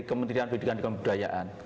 kementerian pendidikan dan kebudayaan